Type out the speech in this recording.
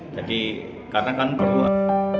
jadi karena kan perluan